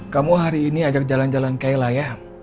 kamu hari ini ajak jalan jalan kela ya